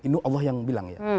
ini allah yang bilang ya